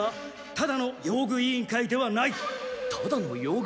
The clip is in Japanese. ただの用具委員会ではない？